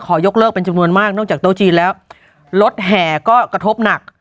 ยกเลิกเป็นจำนวนมากนอกจากโต๊ะจีนแล้วรถแห่ก็กระทบหนัก